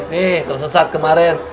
nih tersesat kemaren